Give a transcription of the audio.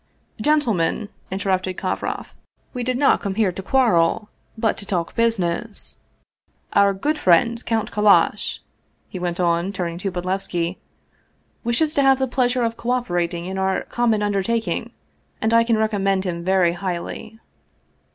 " Gentlemen," interrupted Kovroff, " we did not come here to quarrel, but to talk business. Our good friend, 211 Russian Mystery Stories Count Kallash," he went on, turning to Bodlevski, " wishes to have the pleasure of cooperating in our common under taking, and I can recommend him very highly."